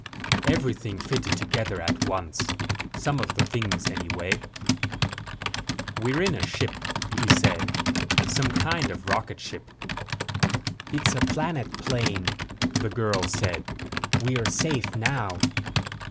Everything fitted together at once. Some of the things, anyway. "We're in a ship," he said. "Some kind of rocket ship." "It's a planet plane," the girl said. "We're safe now."